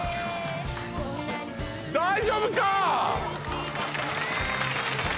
大丈夫か？